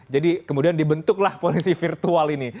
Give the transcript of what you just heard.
jadi kemudian dibentuklah polisi virtual ini